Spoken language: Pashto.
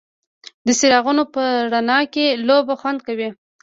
د څراغونو په رڼا کې لوبه خوند کوي.